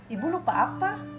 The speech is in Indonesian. ibu lupa apa